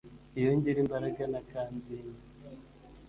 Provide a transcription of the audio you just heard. iyo ngira imbaraga na kanzinya